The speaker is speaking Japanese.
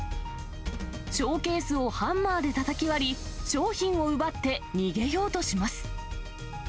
ショーケースをハンマーでたたき割り、商品を奪って逃げようとします。